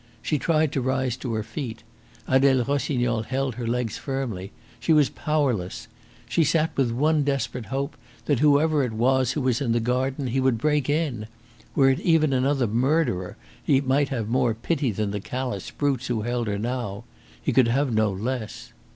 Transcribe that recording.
She tried to rise to her feet. Adele Rossignol held her legs firmly. She was powerless. She sat with one desperate hope that, whoever it was who was in the garden, he would break in. Were it even another murderer, he might have more pity than the callous brutes who held her now; he could have no less.